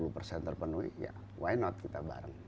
lima puluh persen terpenuhi ya why not kita bareng